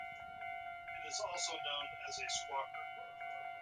It is also known as a squawker.